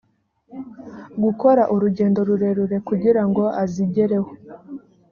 gukora urugendo rurerure kugira ngo azigereho